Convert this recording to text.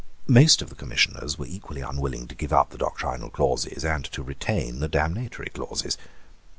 Most of the Commissioners were equally unwilling to give up the doctrinal clauses and to retain the damnatory clauses.